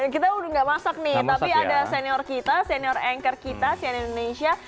kita udah gak masak nih tapi ada senior kita senior anchor kita sian indonesia